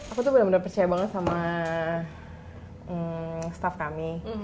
aku tuh benar benar percaya banget sama staff kami